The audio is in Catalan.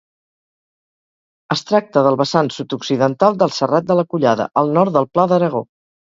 Es tracta del vessant sud-occidental del Serrat de la Collada, al nord del Pla d'Aragó.